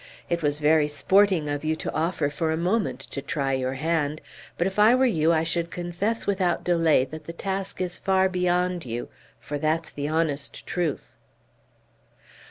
It was very sporting of you to offer for a moment to try your hand; but if I were you I should confess without delay that the task is far beyond you, for that's the honest truth."